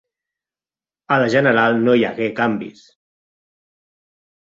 A la general no hi hagué canvis.